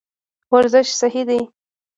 ورزش صحي دی.